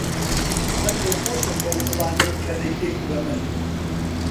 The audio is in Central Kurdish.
من دڵخۆشم بەو گوڵانەی کە دەیدەیت بە من.